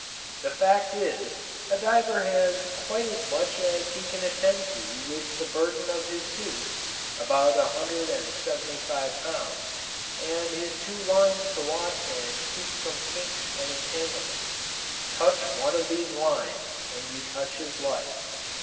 The fact is, a diver has quite as much as he can attend to with the burden of his suit (about a hundred and seventy five pounds), and his two lines to watch and keep from kinks and entanglements. Touch one of these lines, and you touch his life.